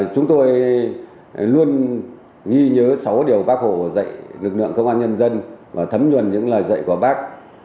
chúng tôi luôn ghi nhớ sáu điều bác hồ dạy lực lượng công an nhân dân và thấm nhuần những lời dạy của bác